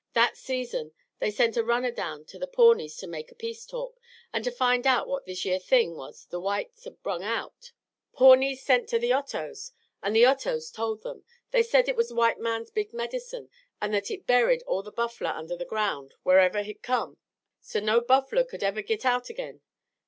"That season they sent a runner down to the Pawnees to make a peace talk, an' to find out what this yere thing was the whites had brung out. Pawnees sent to the Otoes, an' the Otoes told them. They said hit was the white man's big medicine, an' that hit buried all the buffler under the ground wherever hit come, so no buffler ever could git out again.